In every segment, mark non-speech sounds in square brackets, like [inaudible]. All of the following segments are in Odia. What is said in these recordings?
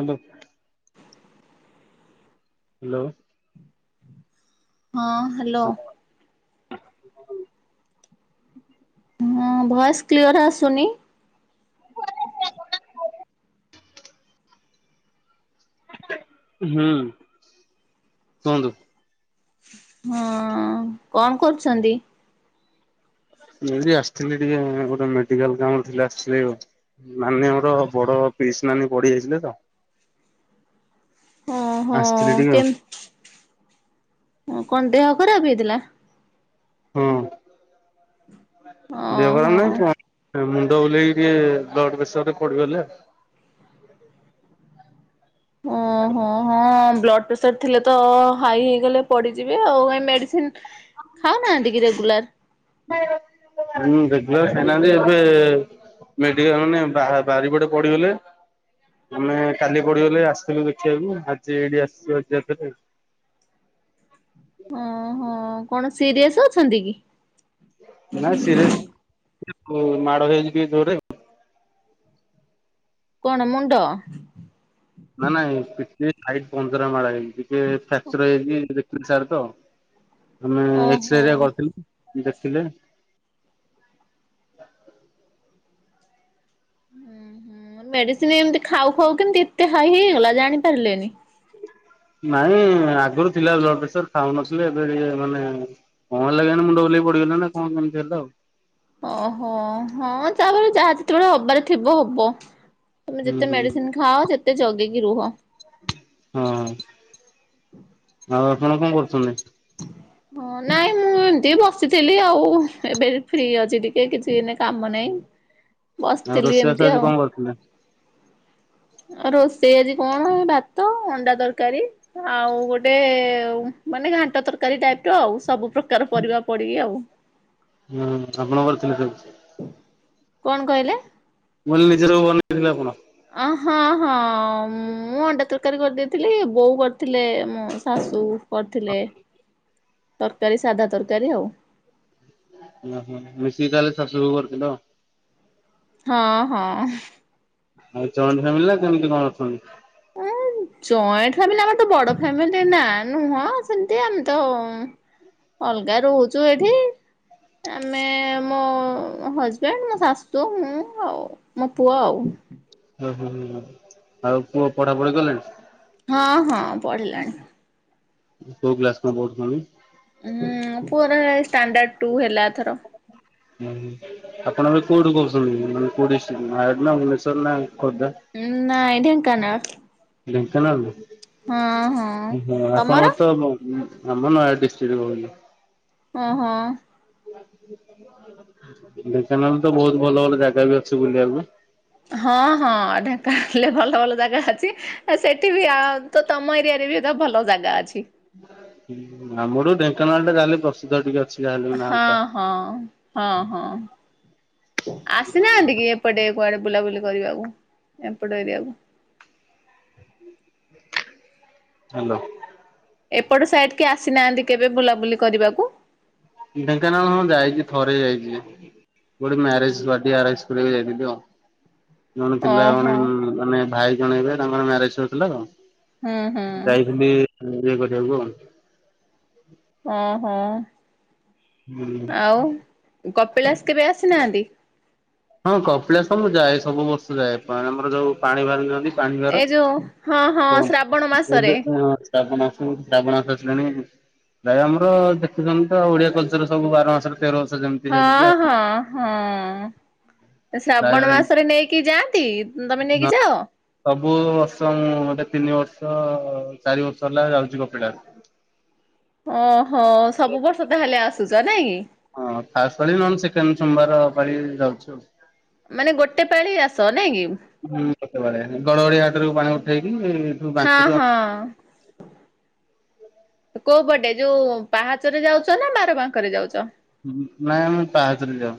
ହାଲୋ। ହାଲୋ। ହଁ ହାଲୋ। [inaudible] ହଁ ଭଏସ କ୍ଲିୟର ଆସୁନି। ମୁ ହୁଁ କୁହନ୍ତୁ। ହଁ କଣ କରୁଛନ୍ତି? ମୁଁ ଏଇଠି ଆସିଥିଲି ଟିକେ ଗୋଟେ ମେଡିକାଲ କାମ ଥିଲା ଆସିଥିଲି ଆଉ। ନାନୀ ମୋର ବଡ ପିସି ନାନୀ ପଡି ଯାଇଥିଲେ ତ। ଓହୋ ଆସିଥିଲି ଟିକେ। ହଁ କଣ ଦେହ ଖରାପ ହେଇଥିଲା? ହୁଁ। ଓ ହୋ। ମୁଣ୍ଡ ବୁଲେଇକି ଟିକେ ବ୍ଲଡ ପ୍ରେସରରେ ପଡିିଗଲେ। ହୁଁ ଓହୋ ହଁ ବ୍ଲଡ ପ୍ରେସର ଥିଲେ ତ ହାଇ ହେଇଗଲେ ପଡିଯିବେ ଆଉ ଏ ମେଡିସିନ। ଖାଉ ନାହାନ୍ତି କି ରେଗୁଲାର? ହୁଁ ରେଗୁଲାର ଖାଇ ନାହାନ୍ତି ଏବେ। ମେଡିକାଲ ମାନେ ବା-ବାରିପଟେ ପଡିଗଲେ। ଆମେ କାଲି ପଡିଗଲେ ଆସିଥିଲୁ ଦେଖିବାକୁ ଆଜି ଏଇଠି ଆସିଛୁ ଆଜି ଆଉଥରେ। [inaudible] ଓହୋ କଣ ସିରିଅସ୍ ଅଛନ୍ତି କି? ନାଇ ସିରିସ ମାଡହେଇଜାଇଛି ଯୋରେ। କଣ ମୁଣ୍ଡ? ନା ନାଇଁ ପିଠି ଆଇ ପଞ୍ଜରା ମାଡ ହେଇଛି ଟିକେ ଫ୍ରାକ୍ଚର ହେଇାଇଛି ତି ସାରେ ତ ଆମେ ଓହୋ। ଏକ୍ସରେ ହେକା କରିଥିଲୁ। ଦେଖିଲେ ହୁଁ ହୁଁ ମେଡିସିନ ଏମିତି ଖାଉ ଖାଉ କେମିତି ଏତେ ହାଇ ହେଇଗଲା ଜାଣି ପାରିଲେନି? [inaudible] ନାଇଁ ଆଗରୁ ଥିଲା ବ୍ଲଡ଼ ପ୍ରେସର ଖାଉନଥିଲେ ଏବେ ଟେ ମାନେ କଣ ହେ ଲାଗି ମୁଣ୍ଡ ବୁଲେଇ ପଡ ନା କଣ କେମିତି ହେଲେ ଆଉ ଓହୋ ହଁ ତାପରେ ଯାହା ଯେତେବେଳେ ହବାରେ ଥିବ ହବ ତମେ ହୁଁ ଯେତେ ହୁଁ ହୁଁ। ମେଡିସିନ ଖାଅ ଯେତେ ଜଗିକି କି ରୁହ। ହଁ। [unintelligible] ଆଉ ଆପଣ କଣ କରୁଚନ୍ତି? ହଁ ନାଇଁ ମୁଁ ଏମତି ବସିଥିଲି ଆଉ ଏବେ ଫ୍ରି ଅଛି ଟିକେ କିଛି ଏନେ କାମ ନାହିଁ ଆଉ ବସିଥିଲି ରୋଷେଇବାସ ଏମିତି ଆଜି ଆଉ। କଣ କରିଥିଲେ? ରୋଷେଇ ଆଜି କଣ ଭାତ ଅଣ୍ଡା ତରକାରୀ ଆଉ ଗୋଟେ ମାନେ ଘାଣ୍ଟ ତରକାରୀ ଟାଇପି ର ଆଉ ସବୁ ପ୍ରକାର ପରିବା ପଡିକି ଆଉ। ହୁଁ ଆପଣ କରିଥିଲେ ସବୁ? କଣ କହିଲେ? ନିଜର ବନେଇ ଥିଲେ ଆପଣ ଅହଁ ହଁ ମୁଁ ଅଣ୍ଡା ତରକାରୀ କରିଦେଇଥିଲି ବୋଉ କରିଥିଲେ ମୋ ଶାଶୁ କରିଥିଲେ ତରକାରୀ ସାଧା ତରକାରୀ ଆଉ ଓ ହୋ ମିଶିକି ତାହେଲେ ଶାଶୁ ବୋହୂ କରୀଥିଲ। ହଁ ହଁ। ଆଉ ଜଏଣ୍ଟ ଫ୍ୟାମିଲି ନା କେମିତି କଣ ଅଛନ୍ତି? ଜଏଣ୍ଟ ଫ୍ୟାମିଲି ଆମର ତ ବଡ ଫ୍ୟାମିଲି ନା ନୁହଁ ସେମତି ଆମ ତ ଅଲଗା ରହୁଛୁ ଏଠି ଆମେ ମୋ ହଜବେଣ୍ଡ ମୋ ଶାଶୁ ମୁଁ ଆଉ। ମୋ ପୁଅ ଆଉ ହୁଁ ଆଉ ପୁଅ ପଢାପୁଢି କଲାଣି? ହଁ ହଁ ପଡ଼ିଲାଣି। କୋଉ କ୍ଲାସ କଣ ପଢୁଛନ୍ତି? ହୁଁ ପୁଅର ଷ୍ଟାଣ୍ଡାଡ଼ ଟୁ ହେଲା ଏଥର। ହୁଁ ଆପଣ କୋଉଠୁ କହୁଛନ୍ତି ମାନେ କୋଉଠି ଡିଷ୍ଟରୁ ନୟାଗଡ଼ ନା ଭୁବନେଶ୍ଵର ନା ଖୋର୍ଦ୍ଧା? ନାଇ ଢେଙ୍କାନାଳ। ଢେଙ୍କାନାଳ ହଁ ତମର? ଆପଣଙ୍କର ତ ଆମ ନୟଗଡ଼ ଡିଷ୍ଟ୍ରି ରୁ କହୁଲି। ହଁ ହଁ। ଢେଙ୍କାନାଳ ତ ବହୁତ ଭଲ ଭଲ ଜାଗା ବି ଅଛି ବୁଲିବାକୁ। ହଁ ହଁ ଢେଙ୍କାନାଳ ରେ ଭଲ ଭଲ ଜାଗା ଅଛି ଆ ସେଠି ବି ଆଉ ତ ତମ ଏରିଆ ବି ଏତ ଭଲ ଜାଗା ଅଛି। ଆମ ଠୁ ଢେଙ୍କାନାଳଟା କାଲି ପ୍ରସିଦ୍ଧ ଟିକେ ଅଛି। ଯାହାହେଲେ ବି ନା ହଁ ଟା ହଁ ହଁ ହଁ। ଆସିନାହାନ୍ତି କି ଏପଟେ? କୁଆଡ଼େ ବୁଲାବୁଲି କରିବାକୁ ଏପଟ ଏରିଆକୁ? ହଲୋ। ଏପଟ ସାଇଡି କି ଆସିନାହାନ୍ତି କେବେ ବୁଲାବୁଲି କରିବାକୁ? ଢେଙ୍କାନାଳ ହଁ ଯାଇଛି ଥରେ ଯାଇଛି। ଗୋଟେ ମ୍ୟାରେଜ ପାର୍ଟି ଆରେଜ କରିବାକୁ ଯାଇଥିଲି ଆଉ। ଜଣେ ଥିଲା ଜଣେ ଓହୋ ମାନେ ଭାଇ ଜଣେହେବେ ତାଙ୍କର ମ୍ୟାରେଜ ସରିଥିଲା ତ ହୁଁ ହୁଁ ଯାଇଥିଲି ଏଞ୍ଜୟ୍ କରିବାକୁ ଆଉ। ଅ ହ ହୁଁ। କପିଳାସ କେବେ ଆସିନାହାନ୍ତି? ହଁ କପିଳାସ ତ ମୁ ଯାଏ। ସବୁ ବର୍ଷ ଯାଏ। ପାଣ ଆମର ଯୋଉ ପାଣି ଭାର ନିଅନ୍ତି। ପାଣି ଭାର ଏଇ ଯୋଉ ହଁ ହଁ ତ ଶ୍ରାବଣ ମାସରେ ଏବେ ଶ୍ରାବନ ଆସି ଶ୍ରାବଣ ଆସି ଆସିଲାଣି। ଭାଇ ଆମର ଦେଖିଚନ୍ତି ତ ଓଡିଆ କଲଚର ର ସବୁ ବାର ମାସରେ ତେର ବର୍ଷ ଯେମିତି ହଁ ସେମିତି ଆଉ କଣ। ହଁ ହଁ। ପ୍ରାୟ ଶ୍ରାବଣ ମାସରେ ନେଇକି ଯାଆନ୍ତି? ତମେ ନେଇକି ଯାଅ? ସବୁ ବର୍ଷ ମୁଁ ମୋତେ ତିନି ବର୍ଷ। ତ ଚାରି ବର୍ଷ ହେଲା ଯାଉଚି କପିଳାସ୍। ଓହୋ ସବୁ ବର୍ଷ ତାହେଲେ ଆସୁଚ ନାଇଁ? ହଁ ଫାଷ୍ଟ୍ ପାଳି ନହେଲେ ସେକେଣ୍ଡ୍ ସୋମବାର ପାଳି ଯାଉଚି ଆଉ। ମାନେ ଗୋଟେ ପାଳି ଆସ ନାଇଁ କି? ହୁଁ କେତବେଳେ ଗଡଗଡିଆ ଘାଟରୁ ପାଣି ଉ ହଁ ହଁ। କୋଉ ପଟେ ଯୋଉ ପାହାଚରେ ଯାଉଚ ନା ବାର ବାଙ୍କରେ ଯାଉଚ। ନାଇଁ ଆମେ ପାହାଚରେ ଯାଉ।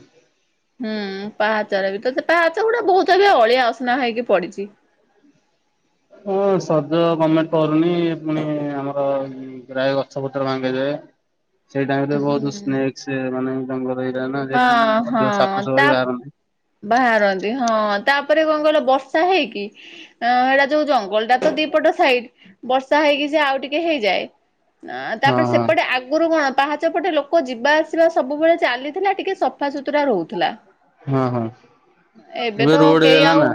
ହୁଁ ପାହାଚାର ବି ତ ପାହାଚ ଗୁଡା ବହୁତ [unintelligible] ଅଳିଆ ଅସନା ହେଇକି ପଡିଚି। ହଁ ସଜ ଗମେଣ୍ଟ କରୁନି ପୁଣି ଆମର ପ୍ରାୟ ଗଛପତ୍ର ଭାଙ୍ଗିଯାଏ। ସେଇ ଟାଇମ୍ ରେ ବହୁତ ସ୍ନେକସ୍ ମାନେ ଜଙ୍ଗଲ ଏରିଆ ନା ଯେହେତୁ ହଁ ହଁ ଅଧିକ ସାପ ସୂପ ତା ବି ବାହାରନ୍ତି। ବାହାରନ୍ତି ହଁ ତା ତାପରେ କଣ କହିଲ ବର୍ଷା ହେଇକି ଆଁ ହେଇଟା ଯୋଉ ଜଙ୍ଗଲ ଟା ତ ଦିପଟ ସାଇଡ ବର୍ଷା ହେଇକି ସେ ଆଉ ଟିକେ ହେଇଯାଏ। ଆଁ ହଁ ତାପରେ ହଁ ସେପଟେ ଆଗରୁ କଣ? ପାହାଚପଟେ ଲୋକ ଯିବା ଆସିବା ସବୁବେଳେ ଚାଲିଥିଲା ଟିକେ ସଫା ସୁୁତୁରା ରହୁଥିଲା। ହଁ ହଁ ଏବେ ତ ରୋଡ କେହି ହେଇଗଲା ଆଉ ନା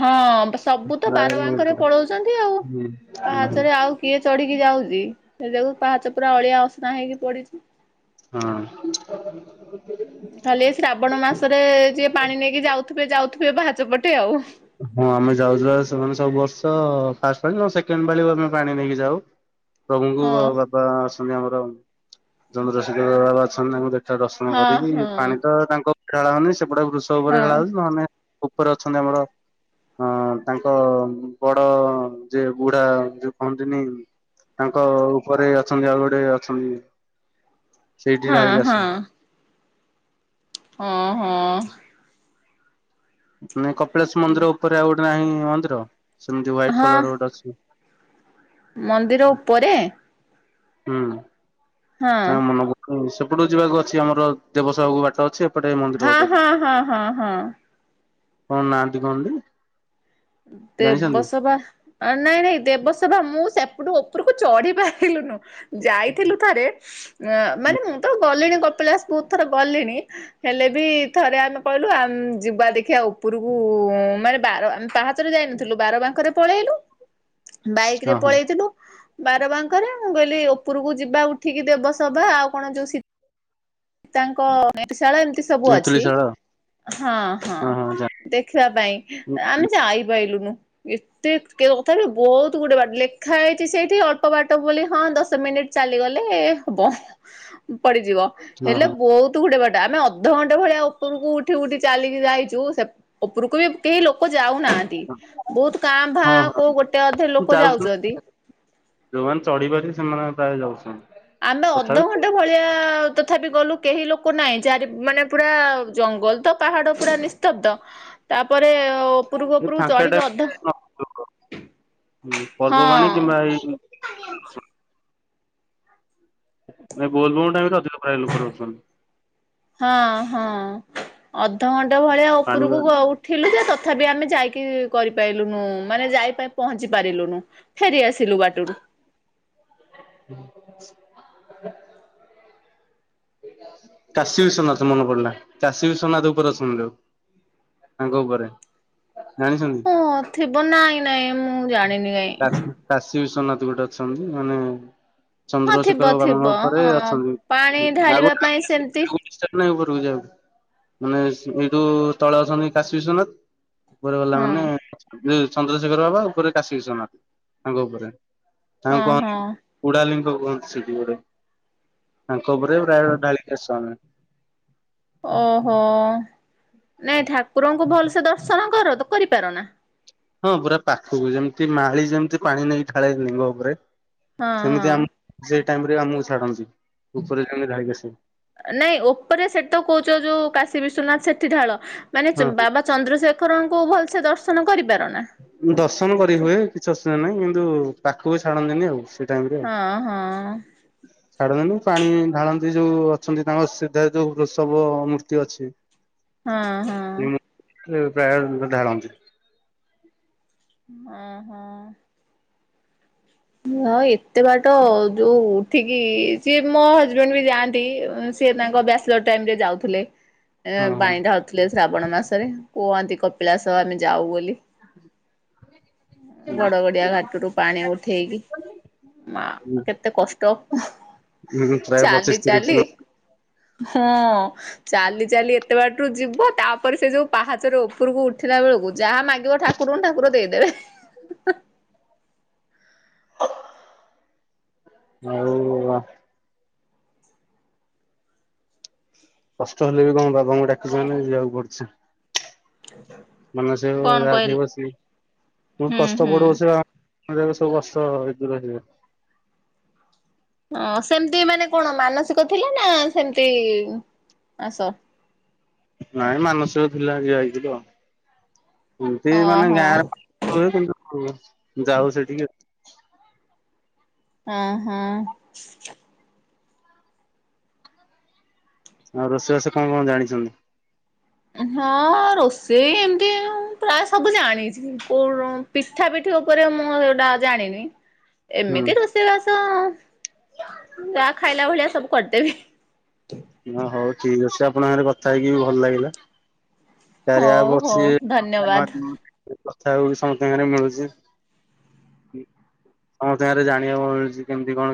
ହଁ। ସବୁ ତ ରାୟଗଡ଼ ବାରବାଙ୍କରେ ପଟେ। ପଳଉଛନ୍ତି ଆଉ ହୁଁ ହୁଁ। ପାହାଚରେ ଆଉ କିଏ ଚଢିକି ଯାଉଚି। ସେ ଯୋଗୁ ପାହାଚ ପୁରା ଅଳିଆ ଅସନା ହେଇକି ପଡିଚି। ହଁ। ଖାଲି ଏଇ ଶ୍ରାବଣ ମାସରେ ଯିଏ ପାଣି ନେଇକି ଯାଉଥିବେ ଯାଉଥିବେ ପାହାଚ ପଟେ ଆଉ। ହଁ ଆମେ ଯାଉଛୁ ପା ସେମାନେ ସବୁ ବର୍ଷ ଫାଷ୍ଟ୍ ପାଳି ନହେଲେ ସେକେଣ୍ଡ୍ ପାଳିକୁ ଆମେ ପାଣି ନେଇକି ଯାଉ। ପ୍ରଭୁଙ୍କୁ ହଁ ବାପା ଅଛନ୍ତି ଆମର ଚନ୍ଦ୍ରଶେଖର ବାବା ଅଛନ୍ତି ତାଙ୍କୁ ଦେଖ ଦର୍ଶନ ହଁ କରିକି ହଁ ପାଣି ତ ତାଙ୍କ ଉପରେ ଢଳା ହଉନି ସେପଟେ ବୃଷବ ହଁ ଉପରେ ଢଳା ହଉଚି ନହେନେ ଉପରେ ଅଛନ୍ତି ଆମର। ହଁ ତାଙ୍କ ବଡ଼ ଯେ ବୁଢା ଯୋଉ କୁହନ୍ତିନି ତାଙ୍କ ଉପରେ ଅଛନ୍ତି, ଆଉ ଗୋଟେ ଅଛନ୍ତି। ସେଇଠି ହଁ ଢାଳିକ ଆସ। ହଁ। ହଁ ହଁ। ମୁଁ କପିଳାସ ମନ୍ଦିର ଉପରେ ଆଉ ଗୋଟେ ନାହିଁ ମନ୍ଦିର ସେମତି ହ୍ୱାଇଟ୍ ହଁ କଲର ର ଗୋଟେ ଅଛି ମନ୍ଦିର ଉପରେ? ହୁଁ । ହଁ। ତା ମନକୁ ପୁଣି ସେପଟକୁ ଯିବାକୁ ଅଛି ଆମର ଦେବସଭାକୁ ବାଟ ଅଛି। ଏପଟେ ମନ୍ଦିର ହଁ ଗୋଟେ ହଁ ହଁ ହଁ ହଁ। କଣ ନାଆନ୍ତି କହନ୍ତି। ଦେବସଭା ନାଇଁ ନାଇଁ ଦେବସଭା ମୁଁ ସେପ୍ ସେପଟୁ ଉପରକୁ ଚଢି ପାଇଲୁନୁ ଯାଇଥିଲୁ ଥରେ। ୟାଁ ମାନେ ମୁଁ । ଯିବା ଦେଖିଆ ଓପୁରୁକୁ ମାନେ ବାର ଆମେ ପାହା ଚରେ ଯାଇନଥିଲୁ ବାର ବାଙ୍କରେ ପଳେଇଲୁ ବାଇକ୍ ରେ ହଁ ହଁ ପଳେଇଥିଲୁ ବାରବାଙ୍କରେ ମୁଁ କହିଲି ଓପୁରୁକୁ ଯିବା ଉଠିକି ଦେବସଭା ଆଉ କଣ ଯୋଉ ସୀ ତାଙ୍କ ମେଟ ଶାଳା ଏମିତି ସବୁ ଅଛି। ତେନ୍ତୁଳିଶାଳ ହଁ ହଁ ଦେଖିବା ପାଇଁ ଜାଣି ଆମେ ଯାଇପାଇଲୁନୁ। ଏତେ କେ ଅଥାପି ବହୁତ ଗୁଡ଼େ ବା ଲେଖା ହେଇଚି ସେଇଠି ଅଳ୍ପ ବାଟ ବୋଲି ହଁ ଦଶ ମିନିଟ୍ ଚାଲିଗଲେ ହବ ପଡ଼ିଯିବ। ହଁ ହଁ ହେଲେ ବୋହୁତ ଗୁଡ଼େ ବା ଆମେ ଅଧଘଣ୍ଟେ ଭଳିଆ ଓପୁରୁକୁ ଉଠି ଉଠି ଚାଲିକି ଯାଇଚୁ ସେ ଓପୁରୁକୁ ବି କେହି ଲୋ କ ଯାଉନାହାନ୍ତି ବୋହୁତ କାଁ ହଁ ଭାଁ ହଁ କୋଉ ଗୋଟେ ଅଧେ ଲୋକ ଯାଉଛନ୍ତି ଯାଉଚନ୍ତି। ଯୋଉମାନେ ଚଢ଼ି ପାରି ସେମାନେ ଆଉ ତା ଆମେ ଅଧଘଣ୍ଟେ ଭଳିଆ ତ୍ ଥାପି ଗଲୁ କେହି ଲୋକ ନାଇଁ ଚାରି ମାନେ ପୁରା ଜଙ୍ଗଲ ତ ପାହାଡ଼ ପୁରା ନିସ୍ତବ୍ଧ। ତାପରେ ଓପୁରୁକୁ ଏ ଉପରକୁ ଫାଙ୍କା ଚଢ଼ିକି ଟାଇମ୍ ଅଧ ହୁଁ ପର୍ବବାଣୀ କିମ୍ବା ଏଇ ହଁ। ନାଇଁ ବୋଲବମ୍ ଟାଇମ୍ ରେ ଅଧିକ ପ୍ରାୟ ଲୋକ ରହୁଛନ୍ତି। ହଁ ହଁ ଅଧଘଣ୍ଟେ ଭଳିଆ ପାଣି ଓପୁରୁକୁ ଗ ଉଠିଲୁ ଯେ ତଥାପି ଆମେ ଯାଇକି କରିପାଇଲୁନୁ ମାନେ ଯାଇ ପାଇଁ ପହଞ୍ଚି ପାରିଲୁନୁ ଫେରି ଆସିଲୁ ବାଟୁରୁ। [inaudible] କାଶୀ ବିଶ୍ଵନାଥ ମନେ ପଡ଼ିଲା କାଶୀ ବିଶ୍ଵନାଥ ଓପରେ ଅଛନ୍ତି ଯୋଉ। ତାଙ୍କ ଉପରେ। ଜାଣିଛନି ହଁ ଥିବ ନାଇଁ ନାଇଁ ମୁଁ ଜାଣିନି କାଇଁ କାଶୀ ବିସ୍ଵନା ଗୋଟେ ଅଛନ୍ତି ମାନେ ହଁ ଚନ୍ଦ୍ରଶେଖର ଥିବ ବାବାଙ୍କ ଥିବ ଉପରେ ହଁ ଅଛନ୍ତି। ପାଣି ଢାଳିବା ପାଇଁ ସେମତି ଏ ଓପରୁକୁ ଯାଉ ମାନେସ୍ ଏଇଠୁ ତଳେ ଅଛନ୍ତି କାଶୀ ବିଶ୍ଵନାଥ। ଉପରେ ଗଲା ହଁ ମାନେ ଯେ ଚନ୍ଦ୍ରଶେଖର ବାବା ଉପରେ କାଶୀ କଶ୍ୱନାଥ ତାଙ୍କ ଉପରେ। ତାଙ୍କୁ ହଁ ହଁ କହନ୍ତି କୁଡ଼ାଲିଙ୍ଗ କୁହନ୍ତି ସେଇଠି ଗୋଟେ ତାଙ୍କ ଉପରେ ପ୍ରାୟ ଢାଳିକି ଆସୁ ଆମେ। ଓହୋ ନାଇଁ ଠାକୁରଙ୍କୁ ଭଲ୍ ସେ ଦର୍ଶନ କର ତୁ କରିପାରନା। ହଁ ପୁରା ପାଖୁକୁ ଯେମତି ମାଳି ଯେମତି ପାଣି ନେଇ ଢାଳେ ଲିଙ୍ଗ ଓପରେ ହଁ ହଁ। ସେମିତି ଆମ ସେଇ ଟାଇମ୍ ରେ ଆମୁକୁ ଛାଡ଼ ନାଇଁ ଓପରେ ସେଠି ତ କୋହୁଚ ଯୋଉ କାଶୀ ବିଶ୍ୱନାଥ ସେଠି ଢାଳ ମାନେ ହଁ ଚ ବାବା ଚନ୍ଦ୍ରଶେଖରଙ୍କୁ ଭଲସେ ଦର୍ଶନ କରିପାର ନାଁ? ଦର୍ଶନ କରି ହୁଏ କିଛି ଅସୁବିଧା ନାହିଁ କିନ୍ତୁ ପାଖୁକୁ ବି ଛାଡ଼ନ୍ତିନି ଆଉ ସେ ଟାଇମ୍ ରେ ହଁ ହଁ ଆଉ ଛାଡ଼ନ୍ତିନି ପାଣି ଢାଳ ଯେ ଯୋଉ ଅଛନ୍ତି ତାଙ୍କ ସିଧାରେ ଯୋଉ ବୃଷବ ମୂର୍ତ୍ତି ଅଛି। ହଁ ହଁ। ଏ ପ୍ରାୟ ଢାଳନ୍ତି। ଓହ। ମା ଏତେ ବାଟ ଯୋଉ ଉଠିକି ସିଏ ମୋ ହଜବେଣ୍ଡ ବି ଯାଆ ନ୍ତି ସିଏ ତାଙ୍କ ବ୍ୟାଚଲର୍ ଟାଇମ୍ ରେ ଯାଉଥୁଲେ ଏ ହଁ ହଁ। ପାଣି ଢାଳୁଥୁଲେ ଶ୍ରାବଣ ମାସରେ। କୁହନ୍ତି କପିଳାସ ଆମେ ଯାଉ ବୋଲି। ଉଁ ଗଡ଼ ଗଡି଼ଆ ଘାଟୁରୁୁ ପାଣି ଉ ବି ମା କେତେ କଷ୍ଟ। ପ୍ରାୟ ଚାଲି ପଚିଶ ତିରିଶ ଚାଲି ହଁ ଚାଲି ଚାଲି ଏତେ ବାଟ ରୁ ଯିବ ତାପରେ ସେ ଯୋଉ ପାହାଚର ଓପୁରୁକୁ ଉଠିଲା ବେଳୁକୁ ଯାହା ମାଗିବ ଠାକୁରଙ୍କୁ ଠାକୁର ଦେଇଦେବେ। [inaudible] ଆଉ ଆ କଷ୍ଟ ହେଲେ ବି କଣ ବାବାଙ୍କୁ ଡାକୁଚନ୍ତି ଯିବାକୁ ପଡ଼ୁଛି। ମାନସିକ କଣ ଯାହାର କହିଲ ଥିବ ସିଏ ଉଁ ହୁଁ କଷ୍ଟ ହୁଁ। ପଡ଼ିବ ସେ ଆ ମତେ ଏବେ ସବୁ କଷ୍ଟ ଦୂର ହେଇଯିବ। ହ ସେମିତି ମାନେ କଣ ମାନସିକ ଥିଲା ନା ସେମିତି । ଆସ। ନାଇଁ ମାନସିକ ଥିଲା ଜାଇଥିଲୁ ଆଉ । ଏମତି ମାନେ ଓହୋ ଗାଁରେ ହୁଏ ଯାଉ ସେଠିକ । ହଁ ହଁ। ଆଉ ରୋଷେଇବାସ କଣ କଣ ଜାଣିଛନ୍ତି। ହଁ ରୋଷେଇ ଏମତି ପ୍ରାୟ ସବୁ ଜାଣିଛି ପୋ ପିଠା ପିଠୀ ଉ କରିବା ମୁଁ ଆଉ ସେଗୁଟା ଜାଣିନି। ହୁଁ ଏମିତି ରୋଷେଇବାସ ଯାହା ଖାଇଲା ଭଳିଆ ସବୁ କରିଦେବି। ହଁ ହଉ ଠିକ ଅଛି। ଆପଣଙ୍କ ସାଙ୍ଗରେ କଥା ହେଇକି ବି ଭଲ ଲାଗିଲା। କରିଆ ଆଉ ହଉ ହଉ ଅଛି ଧନ୍ୟବାଦ। [inaudible] କଥା ହଉ ଛି ସମତିଙ୍କ ସାଙ୍ଗରେ ମିଳୁଛି। ସମସ୍ତି ଙ୍କ ରେ ଜାଣିବାକୁ ମିଳୁଛି କେମିତି କଣ।